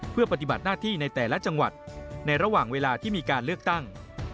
เพื่อปฏิบัติหน้าที่ในแต่ละจังหวัดในระหว่างเวลาที่มีการเลือกตั้ง